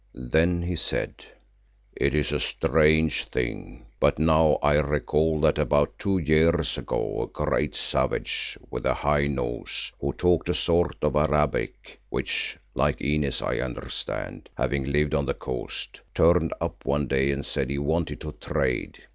Then he said, "It is a strange thing, but now I recall that about two years ago a great savage with a high nose, who talked a sort of Arabic which, like Inez, I understand, having lived on the coast, turned up one day and said he wanted to trade.